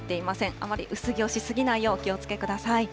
あまり薄着をし過ぎないようお気をつけください。